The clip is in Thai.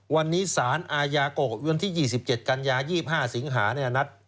วันนี้สารอาญาก็วันที่๒๗กันยา๒๕สิงหาเนี่ยนัด